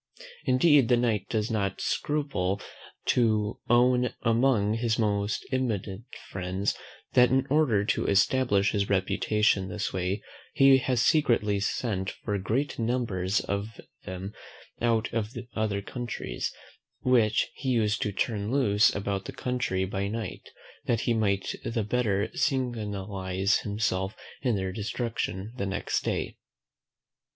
Indeed the Knight does not scruple to own among his most intimate friends, that in order to establish his reputation this way, he has secretly sent for great numbers of them out of other counties, which he used to turn loose about the country by night, that he might the better signalise himself in their destruction the next day.